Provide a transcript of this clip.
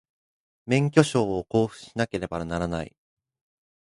免許証を交付しなければならない